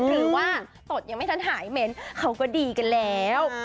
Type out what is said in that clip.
ตดยังไม่ทันหายเหม็นเขาก็ดีกันแล้ว